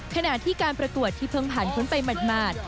ขณะที่การประกวดที่เพิ่งผ่านพ้นไปหมาด